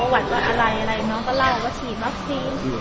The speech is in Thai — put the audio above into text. ว่าอะไรอะไรเนอะน้องเขาไล่ว่าพี่